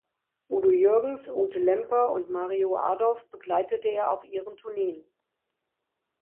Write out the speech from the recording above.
Udo Jürgens, Ute Lemper und Mario Adorf begleitete er auf ihren Tourneen.